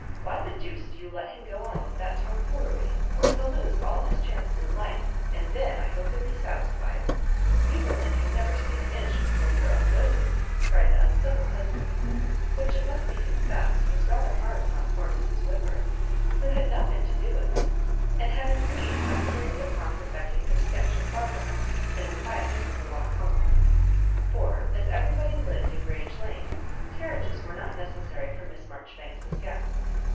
Why the deuce do you let him go on with that tomfoolery ? He'll lose all his chances in life, and then, I hope, you'll be satisfied. Tou women can never see an inch before your own noses 1'* cried the unci vil husband; which, it must be confessed, was rather hard upon poor Mrs. Wo6dbum, who had nothing to do with it, and had indeed calculated upon perfecting her sketch of Barbara in thcqui etness of the walk home ; for as everybody lived in Grange Lane, carriages were not necessary for Miss Marjoribanks's guests.